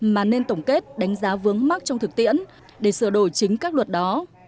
mà nên tổng kết đánh giá vướng mắc trong thực tiễn để sửa đổi chính các luật đó